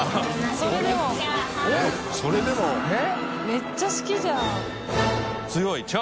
めっちゃ好きじゃん。